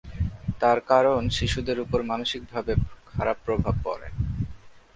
তার কারণ শিশুদের উপর মানসিকভাবে খারাপ প্রভাব পড়ে।